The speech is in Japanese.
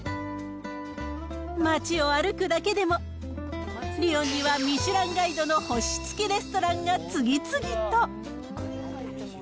街を歩くだけでも、リヨンにはミシュランガイドの星付きレストランが次々と。